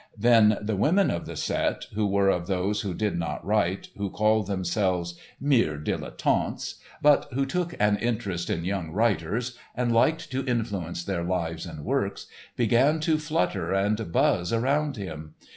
Then the women of the set, who were of those who did not write, who called themselves "mere dilettantes," but who "took an interest in young writers" and liked to influence their lives and works, began to flutter and buzz around him.